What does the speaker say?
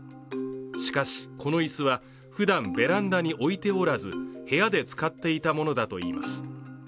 しかし、この椅子はふだんベランダに置いておらず、部屋で使っていたものだといいます。